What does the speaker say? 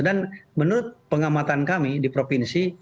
menurut pengamatan kami di provinsi